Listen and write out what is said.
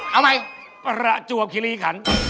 เอาใหม่ประจวบคิริขัน